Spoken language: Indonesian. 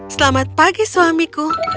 selamat pagi suamiku